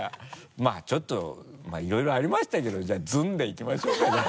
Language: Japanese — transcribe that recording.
まぁちょっといろいろありましたけど「ずん」でいきましょうかじゃあ。